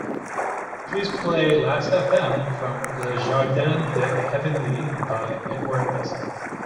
Please play Last Fm from Le Jardin De Heavenly by Edward Leeson